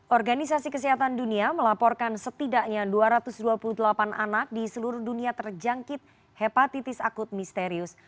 organisasi kesehatan dunia melaporkan setidaknya dua ratus dua puluh delapan anak di seluruh dunia terjangkit hepatitis akut misterius